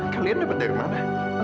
kalian dapet dari mana